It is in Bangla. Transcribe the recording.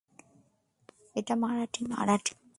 এটা মারাঠি, মারাঠি।